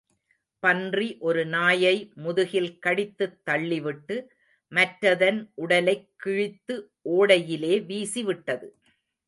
பன்றி ஒரு நாயை முதுகில் கடித்துத் தள்ளிவிட்டு, மற்றதன் உடலைக் கிழித்து ஓடையிலே வீசிவிட்டது.